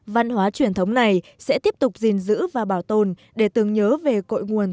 văn hóa truyền thống này sẽ tiếp tục gìn giữ và bảo tồn để tưởng nhớ về cội nguồn